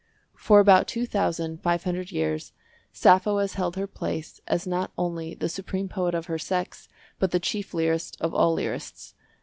For about two thousand five hundred years Sappho has held her place as not only the supreme poet of her sex, but the chief lyrist of all lyrists.